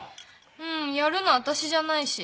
うんやるのわたしじゃないし。